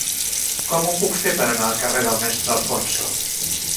Com ho puc fer per anar al carrer del Mestre Alfonso?